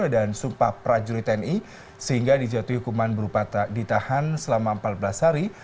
dan sumpah prajurit ni sehingga dijatuhi hukuman berupata ditahan selama empat belas hari